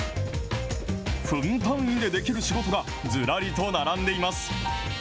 分単位でできる仕事がずらりと並んでいます。